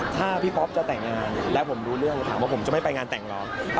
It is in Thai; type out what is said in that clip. ถ้าพี่ก๊อปจะแต่งงานแล้วผมรู้เรื่องถามว่าผมจะไม่ไปงานแต่งเหรอ